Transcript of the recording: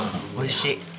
おいしい。